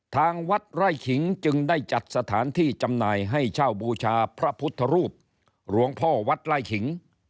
ทางวัดไร่ขิงจึงได้จัดสถานที่จำหน่ายให้เช่าบูชาพระพุทธรูปหลวงพ่อวัดไล่ขิง